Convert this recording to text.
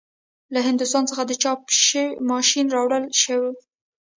له هندوستان څخه د چاپ ماشین راوړل شو.